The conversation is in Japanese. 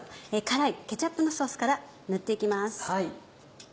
辛いケチャップのソースから塗って行きます。